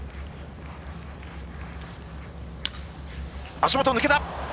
足元抜けた。